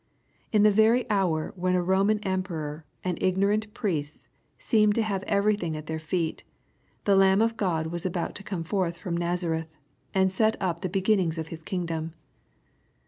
In the very hour when a Boman emperor, and ignorant priests, seemed to have everything at their feet, the Lamb of God was about to come forth from Nazareth, and set up the beginnings of His kingdom.